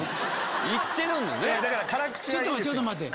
ちょっと待ってちょっと待って。